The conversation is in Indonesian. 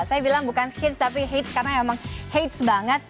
saya bilang bukan hates tapi hates karena memang hates banget